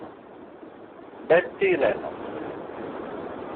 Betty Lennox